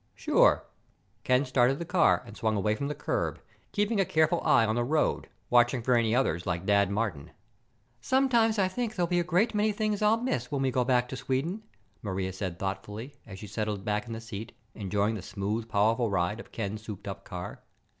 "Sure." Ken started the car and swung away from the curb, keeping a careful eye on the road, watching for any others like Dad Martin. "Sometimes I think there will be a great many things I'll miss when we go back to Sweden," Maria said thoughtfully, as she settled back in the seat, enjoying the smooth, powerful ride of Ken's souped up car.